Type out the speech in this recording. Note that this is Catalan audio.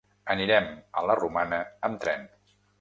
Anirem a la Romana amb tren.